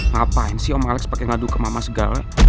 ngapain sih om alex pakai ngadu ke mama segala